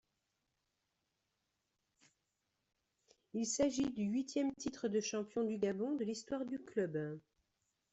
Il s'agit du huitième titre de champion du Gabon de l'histoire du club.